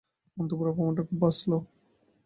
অন্তঃপুরে অপমানটা খুব বাজল।